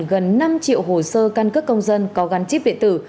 gần năm triệu hồ sơ căn cước công dân có gắn chip biện tử